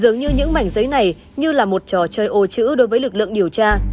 dường như những mảnh giấy này như là một trò chơi ô chữ đối với lực lượng điều tra